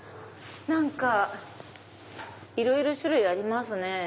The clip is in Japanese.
何かいろいろ種類ありますね。